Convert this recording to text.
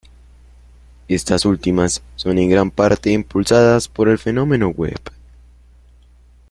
Estas últimas son en gran parte impulsadas por el fenómeno web.